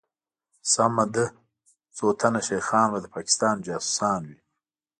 سمه ده څوتنه شيخان به دپاکستان جاسوسان وي